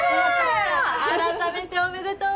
改めておめでとう！